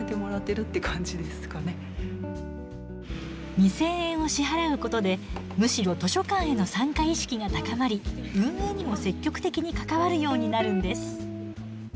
２，０００円を支払うことでむしろ図書館への参加意識が高まり運営にも積極的に関わるようになるんです。